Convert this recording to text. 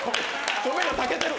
米が炊けてるわ。